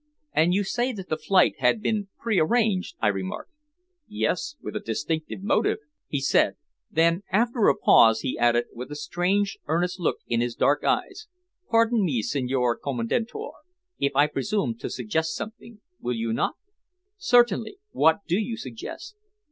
"And you say that the flight had been prearranged?" I remarked. "Yes, with a distinct motive," he said; then, after a pause, he added, with a strange, earnest look in his dark eyes, "Pardon me, Signor Commendatore, if I presume to suggest something, will you not?" "Certainly. What do you suggest?"